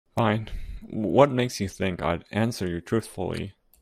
Fine, what makes you think I'd answer you truthfully?